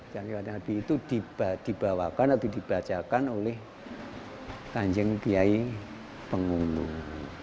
dan riwayat nabi itu dibawakan atau dibacakan oleh kanjeng biaya pengumum